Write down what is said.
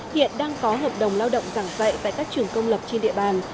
hiện đang có hợp đồng lao động giảng dạy tại các trường công lập trên địa bàn